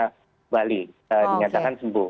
kembali dinyatakan sembuh